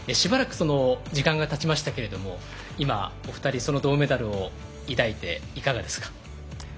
時間がたちましたけれども今、お二人その銅メダルを抱いていかがですか。